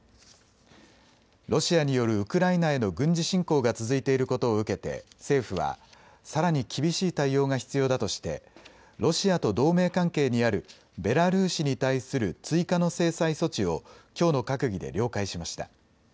ロシアによるウクライナへの軍事侵攻が続いていることを受けて政府はさらに厳しい対応が必要だとしてロシアと同盟関係にあるベラルーシに対する追加の制裁措置をきょうの閣議で了解しました。